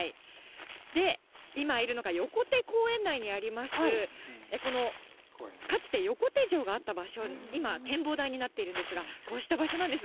今いるのが横手公園内にあります、かつて横手城があった場所、今は展望台になっているんですが、こうした場所なんです。